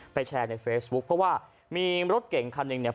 แชร์ในเฟซบุ๊คเพราะว่ามีรถเก่งคันหนึ่งเนี่ย